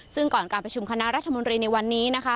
ซึ่งก่อนการประชุมคณะรัฐมนตรีในวันนี้นะคะ